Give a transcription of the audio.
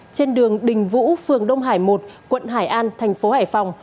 trên đường đình vũ phường đông hải một quận hải an thành phố hải phòng